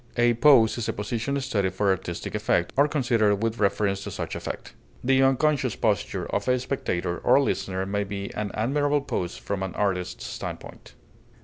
A pose is a position studied for artistic effect, or considered with reference to such effect; the unconscious posture of a spectator or listener may be an admirable pose from an artist's standpoint.